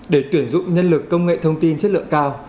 để tuyển dụng nhân lực công nghệ thông tin chất lượng cao